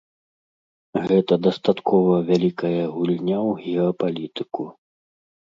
Гэта дастаткова вялікая гульня ў геапалітыку.